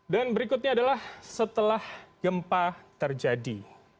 dan berikutnya adalah setelah gempa terjadi